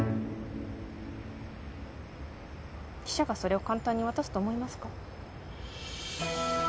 記者がそれを簡単に渡すと思いますか？